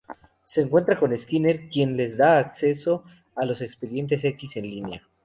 Se encuentran con Skinner, quien les da acceso a los expedientes X en línea.